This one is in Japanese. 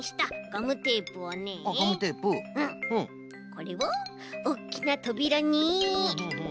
これをおっきなとびらに。